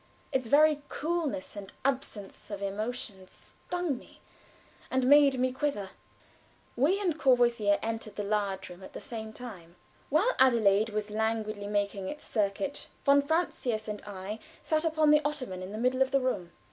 Its very coolness and absence of emotion stung me and made me quiver. We and Courvoisier entered the large room at the same time. While Adelaide was languidly making its circuit, von Francius and I sat upon the ottoman in the middle of the room.